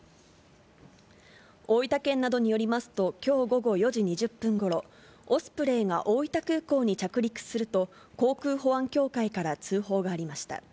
大分県などによりますと、きょう午後４時２０分ごろ、オスプレイが大分空港に着陸すると、航空保安協会から通報がありました。